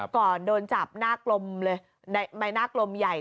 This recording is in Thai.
ก่อนโดนจับในใบหน้ากลมใหญ่